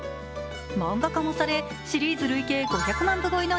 漫画化もされシリーズ累計５００万部超えの